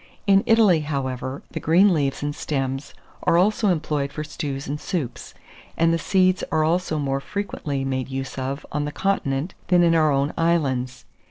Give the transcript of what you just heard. In Italy, however, the green leaves and stems are also employed for stews and soups, and the seeds are also more frequently made use of on the continent than in our own islands.